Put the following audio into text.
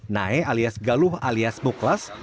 nae alias galuh alias muklas